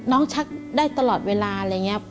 น้องชักได้ตลอดเวลาเหลือแบบนี้